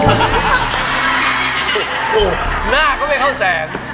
หน้าก็ไม่เข้าแสง